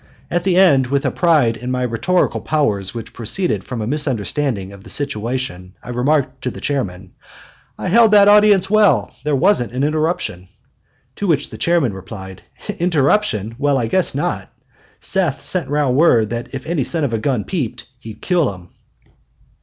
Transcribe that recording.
At the end, with a pride in my rhetorical powers which proceeded from a misunderstanding of the situation, I remarked to the chairman: "I held that audience well; there wasn't an interruption." To which the chairman replied: "Interruption? Well, I guess not! Seth had sent round word that if any son of a gun peeped he'd kill him!"